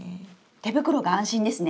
手袋が安心ですね。